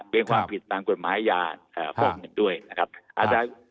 เป็นความผิดตามกฎหมายอาญาฟอกเงินด้วยนะครับ